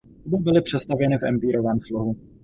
Oba byly přestavěny v empírovém slohu.